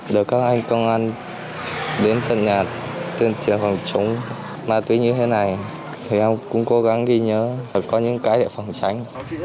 được các anh công an đến tận nhà tuyên truyền phòng chống ma túy như thế này thì em cũng cố gắng ghi nhớ và có những cái để phòng tránh